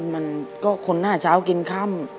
มันก็คนหน้าเช้ากินค่ำ